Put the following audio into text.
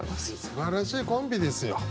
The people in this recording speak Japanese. すばらしいコンビですよ。